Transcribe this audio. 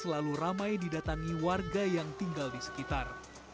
selalu ramai didatangi warga yang tinggal di sekitar